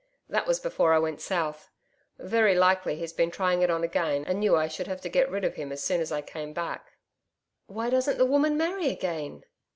That was before I went south. Very likely he's been trying it on again, and knew I should have to get rid of him as soon as I came back.' 'Why doesn't the woman marry again?'